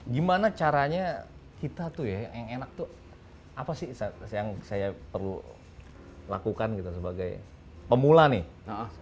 gimana caranya kita tuh ya yang enak tuh apa sih yang saya perlu lakukan gitu sebagai pemula nih